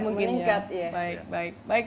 mungkin ya baik baik